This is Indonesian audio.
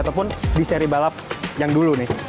ataupun di seri balap yang dulu nih